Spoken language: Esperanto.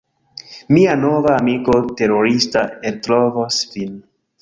Mia nova amiko terorista eltrovos vin!